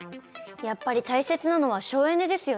やっぱり大切なのは省エネですよね。